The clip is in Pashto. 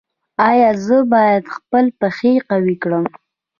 ایا زه باید خپل پښې قوي کړم؟